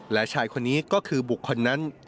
และชายคนนี้ก็คือบุคคลนั้น